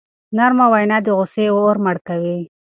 نرمه وینا د غصې اور مړ کوي.